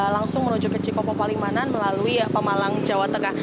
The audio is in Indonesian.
langsung menuju ke cikopo palimanan melalui pemalang jawa tengah